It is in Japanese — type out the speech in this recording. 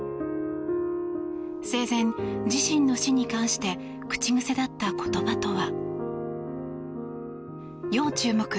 生前、自身の死に関して口癖だった言葉とは。